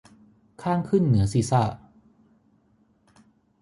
ข้างขึ้นเหนือศีรษะ